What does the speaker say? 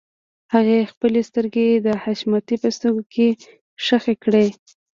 هغې خپلې سترګې د حشمتي په سترګو کې ښخې کړې.